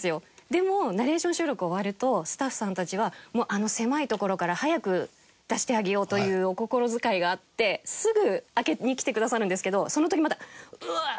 でもナレーション収録終わるとスタッフさんたちはあの狭い所から早く出してあげようというお心遣いがあってすぐ開けに来てくださるんですけどその時まだううっ。